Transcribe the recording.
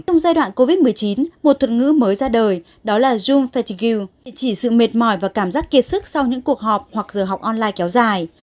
trong giai đoạn covid một mươi chín một thuật ngữ mới ra đời đó là zoom fatiga chỉ sự mệt mỏi và cảm giác kiệt sức sau những cuộc họp hoặc giờ học online kéo dài